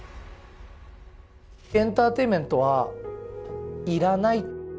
エンターテインメントはいらない。